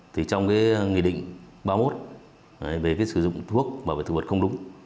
trong nghị định ba mươi một về sử dụng thuốc bảo vệ thực vật không đúng